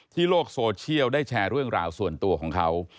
โลกโซเชียลได้แชร์เรื่องราวส่วนตัวของเขา